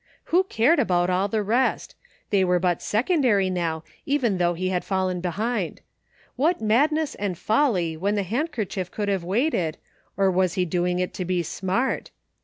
Who cared about all the rest? They were but secondary now even though he had fallen behind. What madness and folly when the handkerchief could have waited, or was he doing it to be smart